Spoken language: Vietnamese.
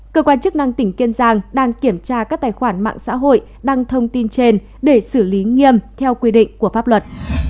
cơ quan chức năng tỉnh kiên giang đang kiểm tra các tài khoản mạng xã hội đăng thông tin trên để xử lý nghiêm theo quy định của pháp luật